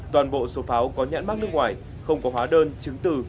toàn bộ số pháo có nhãn mắc nước ngoài không có hóa đơn chứng từ